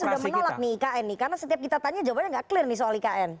sudah menolak nih ikn nih karena setiap kita tanya jawabannya nggak clear nih soal ikn